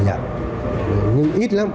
dạ nhưng ít lắm